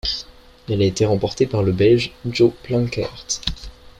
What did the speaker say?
Elle a été remportée par le Belge Jo Planckaert.